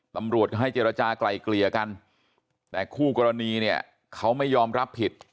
ตำรวจก็ให้เจรจากลายเกลี่ยกันแต่คู่กรณีเนี่ยเขาไม่ยอมรับผิด